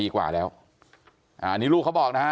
ความปลอดภัยของนายอภิรักษ์และครอบครัวด้วยซ้ำ